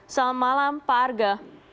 selamat malam pak arga